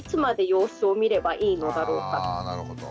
あなるほど。